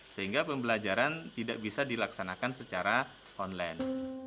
sehingga pembelajaran tidak bisa dilaksanakan secara online